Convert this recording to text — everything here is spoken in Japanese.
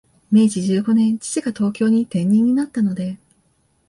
明治十五年、父が東京に転任になったので、